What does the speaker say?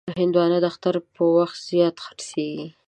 هندوانه د اختر پر وخت زیات خرڅېږي.